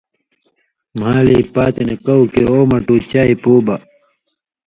مھالی پاتیۡ نہ کؤ کیریۡ ”او مٹُو چائ پُو بہ“۔